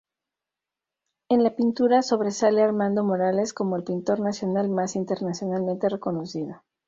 En la pintura sobresale Armando Morales como el pintor nacional más internacionalmente reconocido.